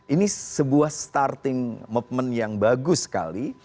ini sebuah starting movement yang bagus sekali